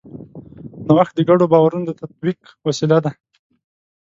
نوښت د ګډو باورونو د تطبیق وسیله ده.